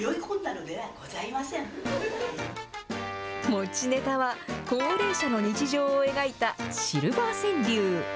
持ちネタは、高齢者の日常を描いたシルバー川柳。